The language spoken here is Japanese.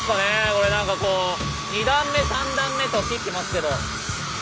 これなんかこう２段目３段目と切ってますけど。